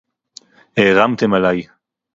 הֶעֱרַמְתֶּם עָלַי